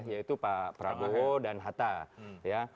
yaitu pak prabowo dan hatta ya